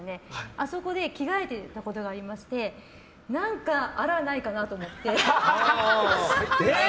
あそこで着替えていたことがありまして何か粗がないかなと思って。